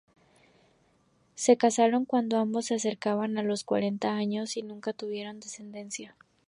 Se casaron cuando ambos se acercaban a los cuarenta años y nunca tuvieron descendencia.